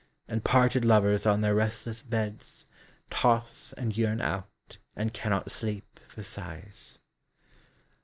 And parted lovers on their restless beds Toss and yearn out, and cannot sleep for sighs.